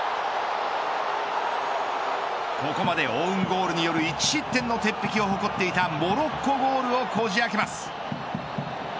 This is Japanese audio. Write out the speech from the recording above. ここまでオウンゴールによる１失点の鉄壁を誇っていたモロッコゴールをこじあけます。